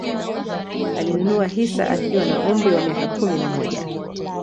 Alinunua hisa akiwa na umri wa miaka kumi na moja